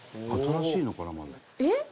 えっ？